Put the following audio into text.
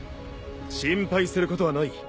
心配することはない。